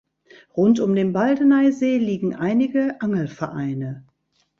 Rund um den Baldeneysee liegen einige Angelvereine.